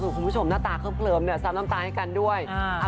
คุณผู้ชมหน้าตาเคลิมเนี่ยซ้ำน้ำตาให้กันด้วย